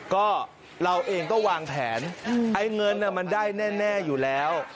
ก็เราเองก็วางแผนไอ้เงินมันได้แน่อยู่แล้ว